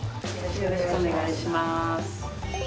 よろしくお願いします。